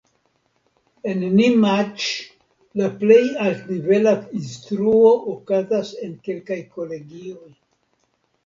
En Nimaĉ la plej altnivela instruo okazas en kelkaj kolegioj.